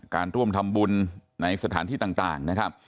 การร่วมทำบุญในสถานที่ต่าง